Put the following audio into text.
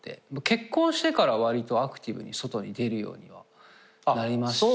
結婚してから割とアクティブに外に出るようにはなりましたね。